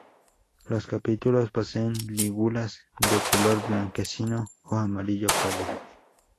Los capítulos poseen lígulas de color blanquecino o amarillo pálido.